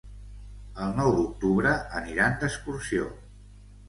El nou d'octubre aniran d'excursió.